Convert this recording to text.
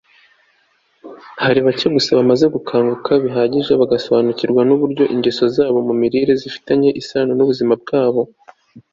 hari bake gusa bamaze gukanguka bihagije bagasobanukirwa n'uburyo ingeso zabo mu mirire zifitanye isano n'ubuzima bwabo